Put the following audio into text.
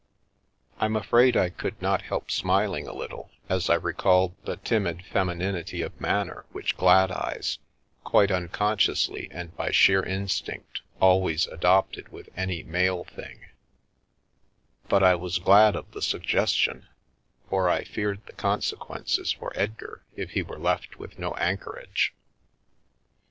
I'm afraid I could not help smil ing a little, as I recalled the timid femininity of manner which Gladeyes, quite unconsciously and by sheer instinct, always adopted with any male thing, but I was glad of the suggestion, for I feared the consequences for Edgar if he were left with no anchorage.